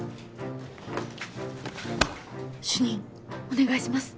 主任お願いします